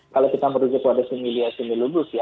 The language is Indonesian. kalau kita menurutnya kepada sumilia sumilulus ya